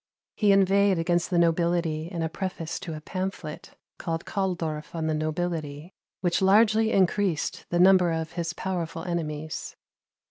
He inveighed against the nobility in a preface to a pamphlet, called Kahldorf on the Nobility, which largely increased the number of his powerful enemies.